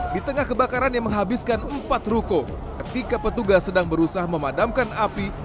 di tengah kebakaran yang menghabiskan empat ruko ketika petugas sedang berusaha memadamkan api